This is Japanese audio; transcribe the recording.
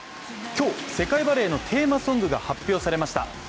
今日、世界バレーのテーマソングが発表されました。